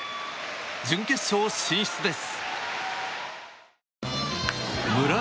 準決勝進出です。